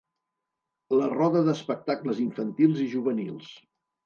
La Roda d'Espectacles Infantils i Juvenils.